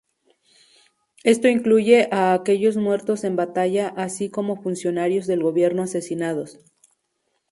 Esto incluye a aquellos muertos en batalla así como funcionarios del gobierno asesinados.